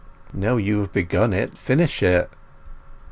"Now you have begun it, finish it."